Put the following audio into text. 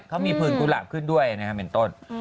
เขามีผืนกุหลาบขึ้นด้วยนะครับเป็นต้น